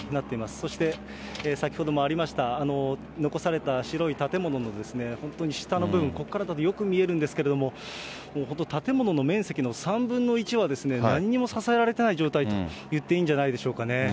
そして先ほどもありました、残された白い建物の、本当に下の部分、ここからだとよく見えるんですけれども、本当、建物の面積の３分の１は、なんにも支えられていない状態といっていいんじゃないでしょうかね。